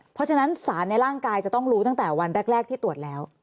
เพราะฉะนั้นสารในร่างกายจะต้องรู้ตั้งแต่วันแรกที่ตรวจแล้ว